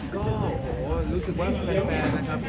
ก็โหรู้สึกว่าเป็นแฟนนะครับ